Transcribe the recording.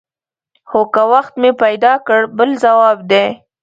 هو که وخت مې پیدا کړ بل ځواب دی.